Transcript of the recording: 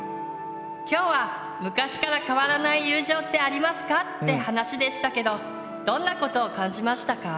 今日は「昔から変わらない友情ってありますか？」って話でしたけどどんなことを感じましたか？